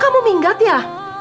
kamu minggat ya